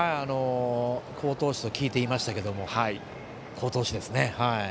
好投手と聞いていましたけど好投手ですね。